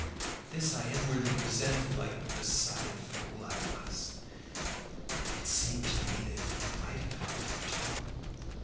This I inwardly resented, like the besotted fool I was. It seemed to me that you might have held your tongue.